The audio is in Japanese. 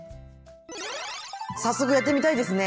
早速やってみたいですね。